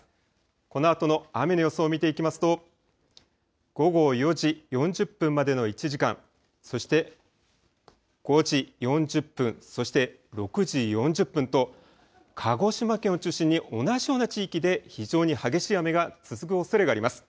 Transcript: このあとの雨の様子を見ていきますと、午後４時４０分までの１時間、そして、５時４０分、そして６時４０分と鹿児島県を中心に同じような地域で非常に激しい雨が続くおそれがあります。